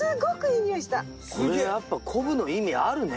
これやっぱ昆布の意味あるね。